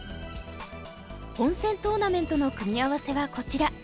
本戦トーナメントの組み合わせはこちら。